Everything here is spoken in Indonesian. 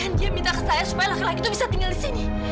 dan dia minta ke saya supaya laki laki itu bisa tinggal di sini